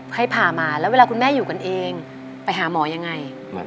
ให้พามาแล้วเวลาคุณแม่อยู่กันเองไปหาหมอยังไง